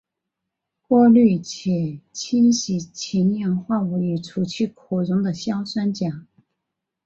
过滤且清洗氢氧化物以除去可溶的硝酸钾。